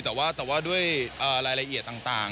แต่ว่าด้วยรายละเอียดต่าง